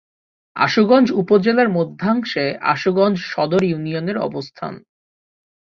আশুগঞ্জ উপজেলার মধ্যাংশে আশুগঞ্জ সদর ইউনিয়নের অবস্থান।